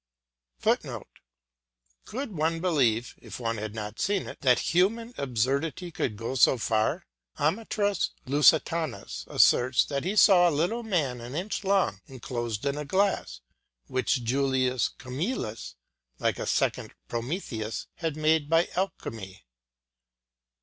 [Footnote: Could one believe, if one had not seen it, that human absurdity could go so far? Amatus Lusitanus asserts that he saw a little man an inch long enclosed in a glass, which Julius Camillus, like a second Prometheus, had made by alchemy.